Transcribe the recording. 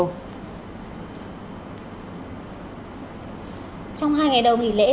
trong hai ngày đầu nghỉ lễ